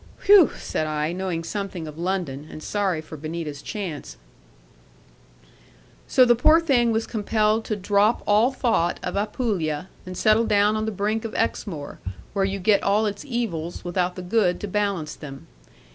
'Whew!' said I, knowing something of London, and sorry for Benita's chance. 'So the poor thing was compelled to drop all thought of Apulia, and settle down on the brink of Exmoor, where you get all its evils, without the good to balance them.